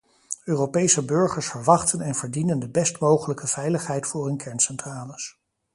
Europese burgers verwachten en verdienen de best mogelijke veiligheid voor hun kerncentrales.